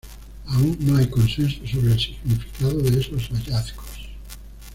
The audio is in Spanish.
Aún no hay consenso sobre el significado de esos hallazgos.